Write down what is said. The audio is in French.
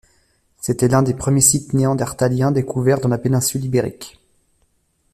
C'était l'un des premiers sites néandertaliens découverts dans la Péninsule Ibérique.